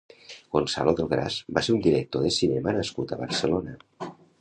Gonzalo Delgrás va ser un director de cinema nascut a Barcelona.